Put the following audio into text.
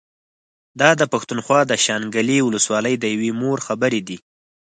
دا د پښتونخوا د شانګلې ولسوالۍ د يوې مور خبرې دي